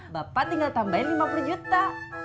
bapak tinggal tambahin lima puluh juta